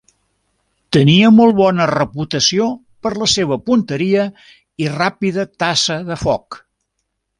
Tenia molt bona reputació per la seva punteria i ràpida tassa de foc.